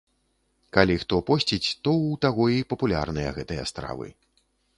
Калі хто посціць, то ў таго і папулярныя гэтыя стравы.